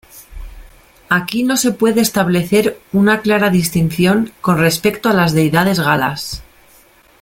Aquí no se puede establecer una clara distinción con respecto a las deidades galas.